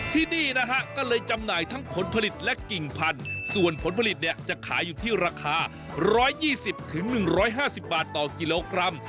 ที่นี่นะฮะก็เลยจำหน่ายทั้งผลผลิตและกิ่งพันธุ์ส่วนผลผลิตเนี่ยจะขายอยู่ที่ราคา๑๒๐๑๕๐บาทต่อกิโลกรัม